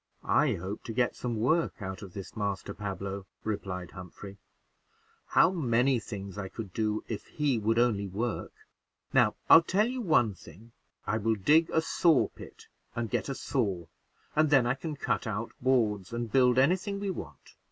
"I hope to get some work out of this Pablo," replied Humphrey; "how many things I could do, if he would only work! Now, I'll tell you one thing I will dig a sawpit and get a saw, and then I can cut out boards and build any thing we want.